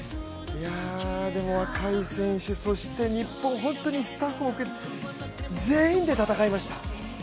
若い選手、そして日本、本当にスタッフ含め全員で戦いました。